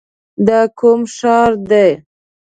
دا کوم ښار دی؟